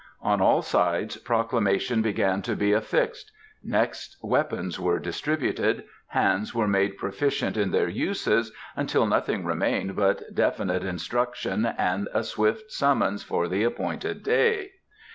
On all sides proclamations began to be affixed; next weapons were distributed, hands were made proficient in their uses, until nothing remained but definite instruction and a swift summons for the appointed day.